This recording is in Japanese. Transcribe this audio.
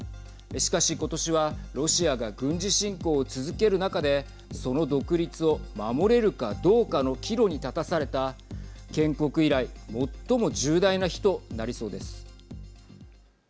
しかし、今年はロシアが軍事侵攻を続ける中でその独立を守れるかどうかの岐路に立たされた建国以来最も重大な日となりそうです。